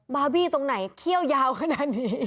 บบีตรงไหนเขี้ยวขนาดนี้